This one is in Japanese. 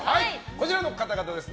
こちらの方々です。